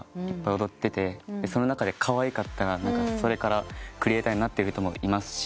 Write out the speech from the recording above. その中でかわいかったらそれからクリエーターになってる人もいますし。